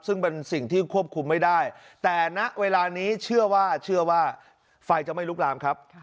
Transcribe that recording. ซึ่งเป็นสิ่งที่ควบคุมไม่ได้แต่ณเวลานี้เชื่อว่าเชื่อว่าไฟจะไม่ลุกลามครับ